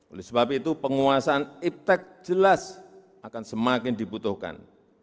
oleh sebab itu penguasaan iptec jelas akan semakin dibutuhkan